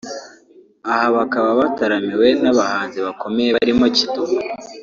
aha bakaba bataramiwe n’abahanzi bakomeye barimo Kidum